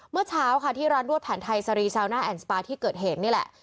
เมื่อเช้าค่ะที่ร้านนวดแผนไทยสรีซาวน่าแอนด์สปาที่เกิดเหตุนี่แหละ